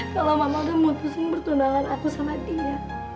kalau mama udah memutuskan bertundangan aku sama dia